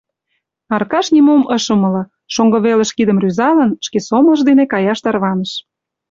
Аркаш нимом ыш умыло, шоҥго велыш кидым рӱзалын, шке сомылжо дене каяш тарваныш.